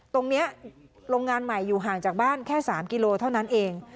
โรงงานใหม่อยู่ห่างจากบ้านแค่๓กิโลเท่านั้นเอง